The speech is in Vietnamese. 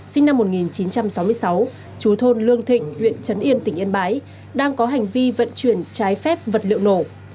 sinh năm một nghìn chín trăm sáu mươi sáu chú thôn lương thịnh huyện trấn yên tỉnh yên bái đang có hành vi vận chuyển trái phép vật liệu nổ